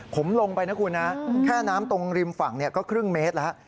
ผมลงไปนะคุณนะแค่น้ำตรงริมฝั่งก็ครึ่งเมตรแล้ว